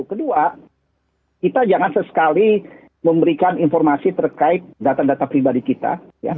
kedua kita jangan sesekali memberikan informasi terkait data data pribadi kita